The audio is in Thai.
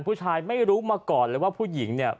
ผู้ชายไม่รู้มาก่อนเลยว่าผู้หญิงเนี่ย